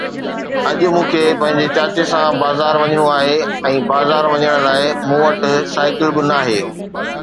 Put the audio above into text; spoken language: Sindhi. اڄ مون کي پنهنجي چاچي سان بازار وڃڻو آهي ۽ بازار وڃڻ لاءِ مون وٽ سائيڪل به ناهي.